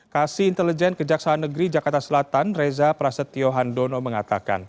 kasih intelijen kejaksaan negeri jakarta selatan reza prasetyo handono mengatakan